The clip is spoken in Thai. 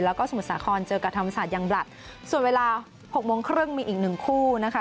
แล้วก็สมุทรสาครเจอกับธรรมศาสตร์ยังบลัดส่วนเวลาหกโมงครึ่งมีอีกหนึ่งคู่นะคะ